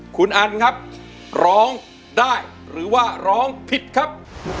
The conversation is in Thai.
คุณอันครับร้องได้หรือว่าร้องผิดครับ